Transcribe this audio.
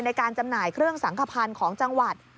จำหน่ายเครื่องสังขพันธ์ของจังหวัด